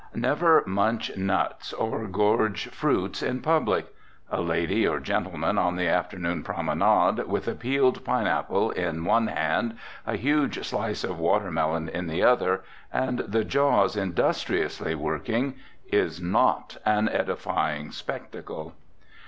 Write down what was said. Never munch nuts or gorge fruits in public. A lady or gentleman on the afternoon promenade, with a peeled pineapple in one hand, a huge slice of watermelon in the other, and the jaws industriously working, is not an edifying spectacle.